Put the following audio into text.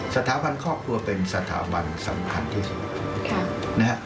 สถาบันครอบครัวเป็นสถาบันสำคัญที่สุดนะฮะ